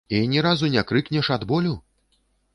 І ні разу не крыкнеш ад болю?